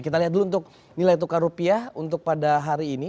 kita lihat dulu untuk nilai tukar rupiah untuk pada hari ini